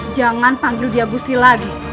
jangan panggil dia gusti lagi